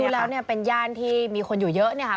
ดูแล้วเนี่ยเป็นย่านที่มีคนอยู่เยอะเนี่ยค่ะ